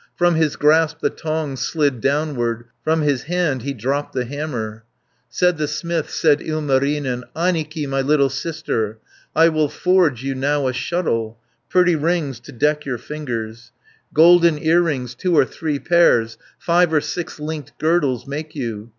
From his grasp the tongs slid downward, From his hand he dropped the hammer. 270 Said the smith, said Ilmarinen, "Annikki, my little sister, I will forge you now a shuttle. Pretty rings to deck your fingers, Golden earrings, two or three pairs, Five or six linked girdles make you.